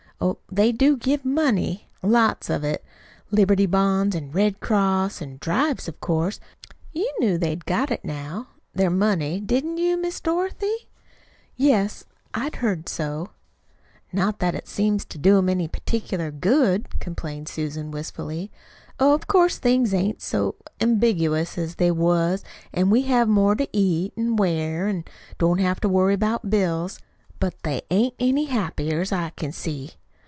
Oh, they do give money lots of it Liberty Bonds an' Red Cross, an' drives, of course. You knew they'd got it now their money, didn't you, Miss Dorothy?" "Yes, I had heard so." "Not that it seems to do 'em any particular good," complained Susan wistfully. "Oh, of course things ain't so so ambiguous as they was, an' we have more to eat an' wear, an' don't have to worry about bills. But they ain't any happier, as I can see.